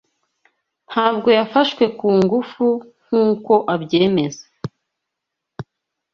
Ntabwo yafashwe Ku ngufu nkuko abyemeza